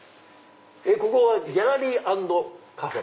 ここはギャラリー＆カフェ？